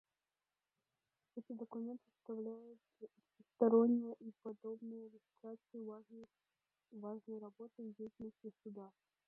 Эти документы составляют всестороннюю и подробную иллюстрацию важной работы и деятельности Суда.